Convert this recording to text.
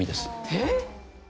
えっ！